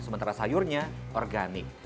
sementara sayurnya organik